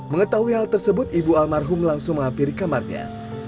mengetahui hal tersebut ibu almarhum langsung menghampiri kamarnya